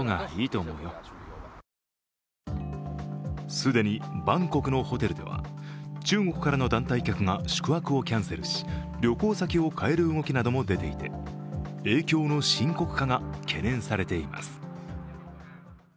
既にバンコクのホテルでは中国からの団体客が宿泊をキャンセルし旅行先を変える動きなど出ていて、影響の深刻化が懸念されています。